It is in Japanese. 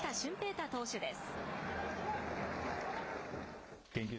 大投手です。